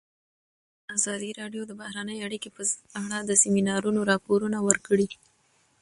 ازادي راډیو د بهرنۍ اړیکې په اړه د سیمینارونو راپورونه ورکړي.